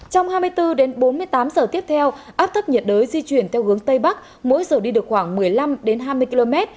trong hai mươi bốn đến bốn mươi tám giờ tiếp theo áp thấp nhiệt đới di chuyển theo hướng tây bắc mỗi giờ đi được khoảng một mươi năm hai mươi km